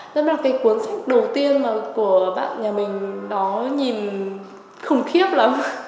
tức là cái cuốn sách đầu tiên mà của bạn nhà mình đó nhìn khủng khiếp lắm